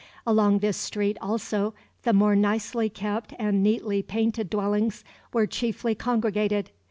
Along this street, also, the more nicely kept and neatly painted dwellings were chiefly congregated.